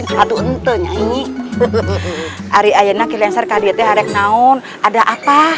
saya mau ke rumah saya ada apa